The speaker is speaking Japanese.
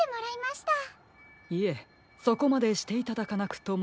いえそこまでしていただかなくとも。